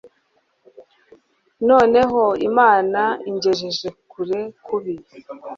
noneho imana ingejeje kure kubi